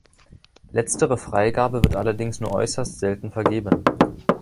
Letztere Freigabe wird allerdings nur äußerst selten vergeben.